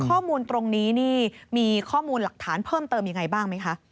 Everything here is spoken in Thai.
ข้อมูลตรงนี้นี่มีข้อมูลหลักฐานเพิ่มเติมยังไงบ้างไหมคะ